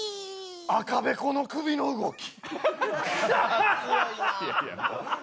赤べこの首の動き。